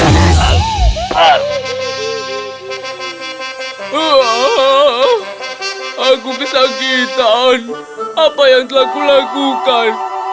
aku bisa agih tan apa yang telah kulakukan